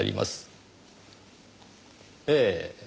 ええ。